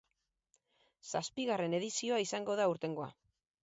Zazpigarren edizioa izango da aurtengoa.